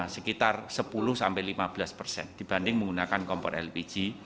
sekitar sepuluh sampai lima belas persen dibanding menggunakan kompor lpg